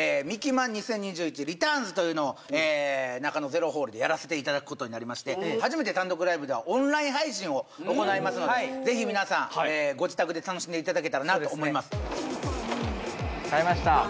「ミキ漫２０２１リターンズ」というのをなかのＺＥＲＯホールでやらせていただくことになりまして初めて単独ライブではオンライン配信を行いますのでぜひ皆さんご自宅で楽しんでいただけたらなと思います買いました